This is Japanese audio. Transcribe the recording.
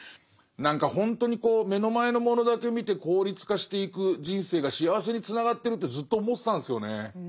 何かほんとに目の前のものだけ見て効率化していく人生が幸せにつながってるってずっと思ってたんですよね。